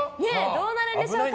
どうなるんでしょうか？